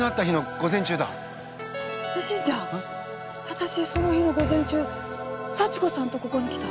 私その日の午前中幸子さんとここに来た。